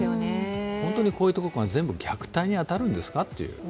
本当にこういうところが全部虐待に当たるんですかと。